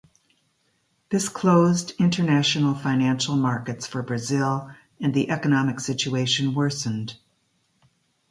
This closed international financial markets for Brazil and the economic situation worsened.